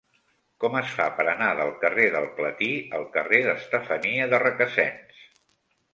Com es fa per anar del carrer del Platí al carrer d'Estefania de Requesens?